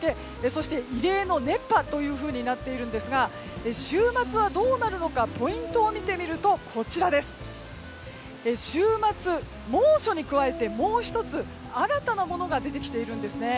そして、異例の熱波というふうになっているんですが週末はどうなるのかポイントを見てみると週末、猛暑に加えてもう１つ新たなものが出てきているんですね。